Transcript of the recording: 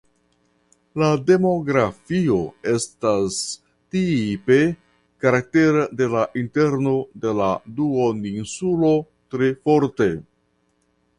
La demografio estas tipe karaktera de la interno de la duoninsulo tre forte.